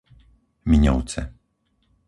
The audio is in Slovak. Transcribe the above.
Miňovce